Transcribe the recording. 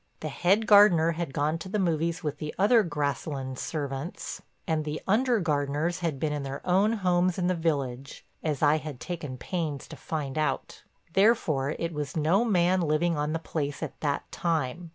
The head gardener had gone to the movies with the other Grasslands servants, and the under gardeners had been in their own homes in the village as I had taken pains to find out. Therefore it was no man living on the place at that time.